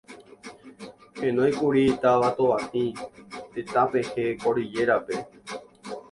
heñóikuri táva Tovatĩ, tetãpehẽ Cordillera-pe